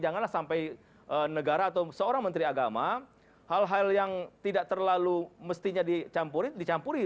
janganlah sampai negara atau seorang menteri agama hal hal yang tidak terlalu mestinya dicampuri